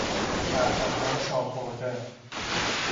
شهروندان سالخورده